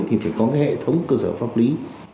thì phải có hệ thống cơ sở pháp lý